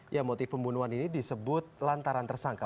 ya motif pembunuhan ini disebut lantaran tersangka